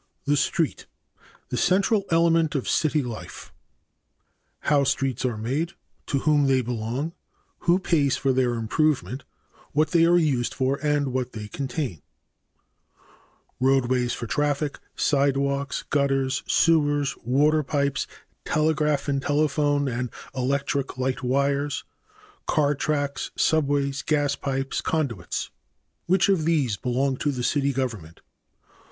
The Street the Central Element of City Life. (a) How streets are made. (b) To whom they belong. (c) Who pays for their improvement? (d) What they are used for and what they contain. 1. Roadways for traffic. 2. Sidewalks. 3. Gutters. 4. Sewers. 5. Water pipes. 6. Telegraph, telephone and electric light wires. 7. Car tracks. 8. Subways. 9. Gas pipes. 10. Conduits. A. Which of these belong to the city government?